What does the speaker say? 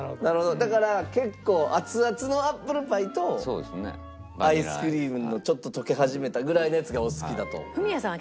だから結構熱々のアップルパイとアイスクリームのちょっと溶け始めたぐらいのやつがお好きだと。